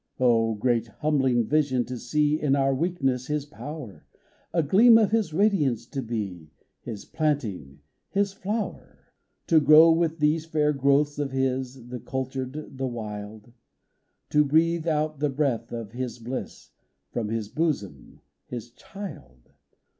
O great, humbling vision, to see In our weakness His power ! A gleam of His radiance to be ! His planting, His flower ! To grow with these fair growths of His, The cultured, the wild ; To breathe out the breath of His bliss From His bosom, — His child